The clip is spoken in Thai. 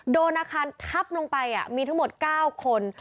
โดนอาคารทับลงไปมีทั้งหมด๙คน